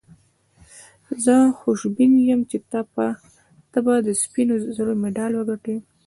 زه خوشبین یم چي ته به د سپینو زرو مډال وګټې.